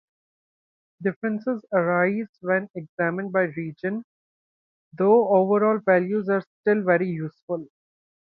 Differences arise when examined by region, though overall the values are still very useful.